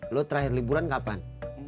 lo terakhir liburan kapan